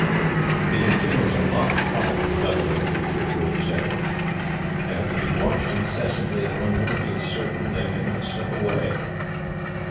"It entails a lot of trouble," the governor of Outradroog said. "They have to be watched incessantly, and one never feels certain they may not slip away.